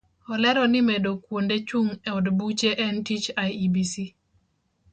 Olero ni medo kuonde chung' od buche en tich iebc.